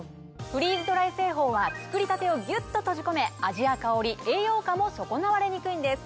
フリーズドライ製法は作りたてをギュっと閉じ込め味や香り栄養価も損なわれにくいんです。